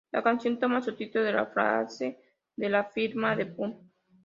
La canción toma su título de la frase de la firma de Pump.